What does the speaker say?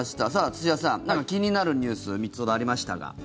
土田さん、気になるニュース３つほどありましたが。